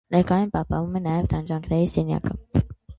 Ներկայում պահպանվում է նաև տանջանքների սենյակը։